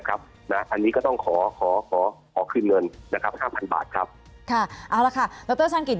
อันนี้ก็ต้องขอขอขอขอคืนเงิน๕๐๐๐บาทค่ะเอาละค่ะดรชันกิจ